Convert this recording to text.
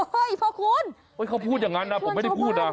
เฮ้ยพ่อคุณเอ้ยเขาพูดอย่างนั้นอ่ะผมไม่ได้พูดอ่ะ